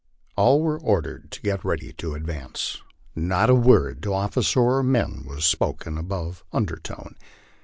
All were ordered to get ready to advance; not a word to officer or men was spoken above undertone.